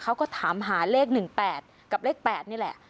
เขาก็ถามหาเลข๑๘กับเลข๘นี่แหละ